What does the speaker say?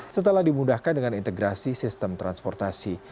setelah dimudahkan dengan integrasi sistem transportasi